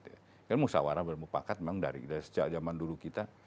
karena musyawarah dan upakat memang dari sejak zaman dulu kita